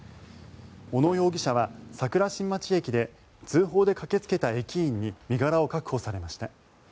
小野容疑者は桜新町駅で通報で駆けつけた駅員に身柄を確保されました。